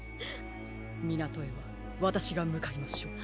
みなとへはわたしがむかいましょう。